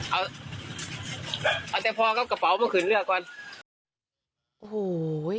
เอาแต่พอกับกระเป๋าขึ้นเรือก่อน